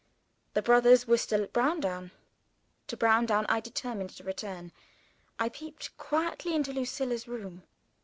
The brothers were still at Browndown. To Browndown I determined to return. I peeped quietly into Lucilla's room.